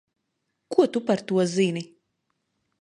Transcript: Ko tu par to zini?